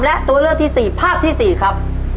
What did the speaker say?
และตัวเลือกที่๔ภาพที่๔ครับ